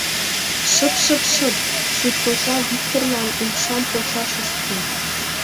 — Шып-шып-шып! — суртоза Виктырлан умшам почаш ыш пу.